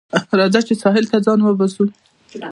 راځه چې ساحل ته ځان وباسو